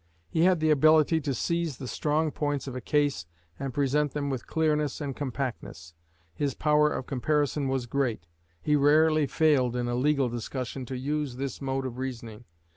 He had the ability to seize the strong points of a case and present them with clearness and compactness. His power of comparison was great. He rarely failed in a legal discussion to use this mode of reasoning.